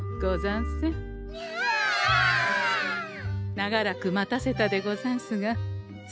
長らく待たせたでござんすが銭